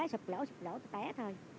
sụp lỗ sụp lỗ thì té thôi